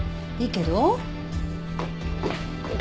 いいけど。